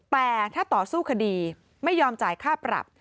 แต่ถ้าต่อสู้คดีไม่ยอมจ่ายค่าปรับ